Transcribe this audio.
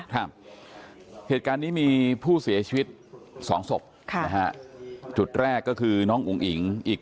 ข้อเหตุการณ์นี้มีผู้เสียชีวิต๒ศพจำแรกก็คือน้องอุ้งผมอีกจุดหนึ่งเนี่ย